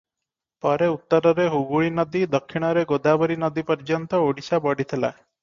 ପରେ ଉତ୍ତରରେ ହୁଗୁଳୀ ନଦୀ, ଦକ୍ଷିଣରେ ଗୋଦାବରୀ ନଦୀ ପର୍ଯ୍ୟନ୍ତ ଓଡିଶା ବଢିଥିଲା ।